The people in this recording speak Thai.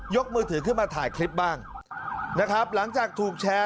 มือถือขึ้นมาถ่ายคลิปบ้างนะครับหลังจากถูกแชร์